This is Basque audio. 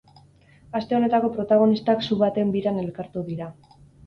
Aste honetako protagonistak su baten biran elkartu dira.